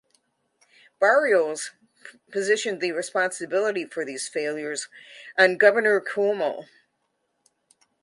Barrios positioned the responsibility for these failures on Governor Cuomo.